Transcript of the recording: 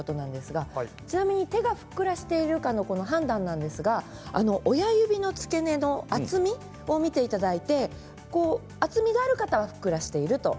ちなみに手がふっくらしているかの判断なんですが親指の付け根の厚みを見ていただいて厚みがある方はふっくらしている。